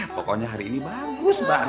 pokoknya hari ini bagus banget